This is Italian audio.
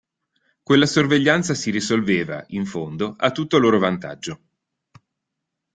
Quella sorveglianza si risolveva, in fondo, a tutto loro vantaggio.